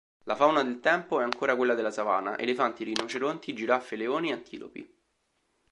La fauna del tempo è ancora quella della savana: elefanti, rinoceronti, giraffe, leoni, antilopi.